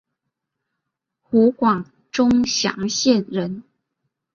湖广钟祥县人。